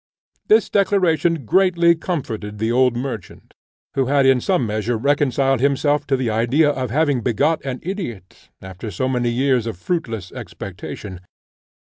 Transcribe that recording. This declaration greatly comforted the old merchant, who had in some measure reconciled himself to the idea of having begot an idiot, after so many years of fruitless expectation.